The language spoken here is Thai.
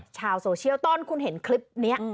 ชาวโซเชียลตอนคุณเห็นคลิปนี้